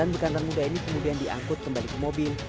sembilan bekantan muda ini kemudian diangkut kembali ke mobil